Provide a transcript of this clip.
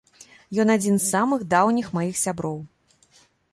Ён адзін з самых даўніх маіх сяброў.